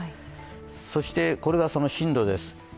そしてこれがその進路です。